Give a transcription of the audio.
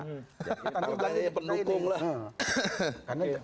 kita kan penukung lah